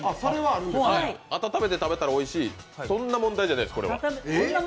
温めて食べたらおいしい、そんな問題じゃないです、これは。